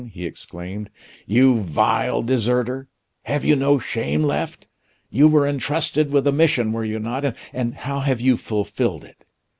he exclaimed. "You vile deserter! have you no shame left? You were entrusted with a mission, were you not? And how have you fulfilled it?